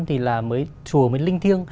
thì là mới chùa mới linh thiêng